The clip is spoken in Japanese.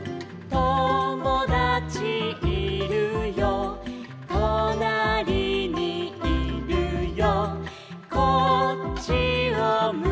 「ともだちいるよいるよいるよ」